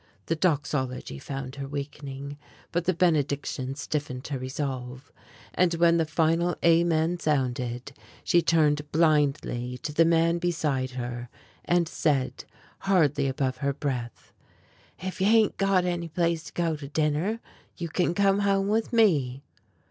The Doxology found her weakening, but the Benediction stiffened her resolve, and when the final Amen sounded, she turned blindly to the man beside her, and said, hardly above her breath: "If you ain't got any place to go to dinner, you can come home with me."